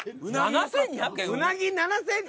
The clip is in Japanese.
うなぎ７，２００円。